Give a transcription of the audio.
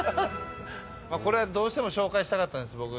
これ、どうしても紹介したかったんです。